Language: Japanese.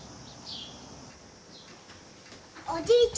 おじいちゃん。